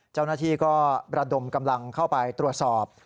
เจ้าหน้าที่ก็ระดมกำลังเข้าไปตรวจสอบ